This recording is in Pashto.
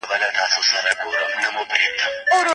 د ماشوم د خندا غږ لا هم په کور کې دی.